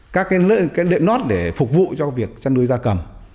các cái đệm nốt để phục vụ cho việc chăn nuôi da cầm